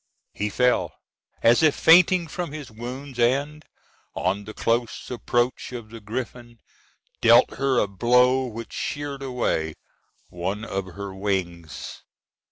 He fell, as if fainting from his wounds, and, on the close approach of the griffin, dealt her a blow which sheared away one of her wings.